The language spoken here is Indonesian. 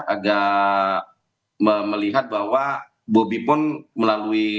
agak melihat bahwa bobi pun melalui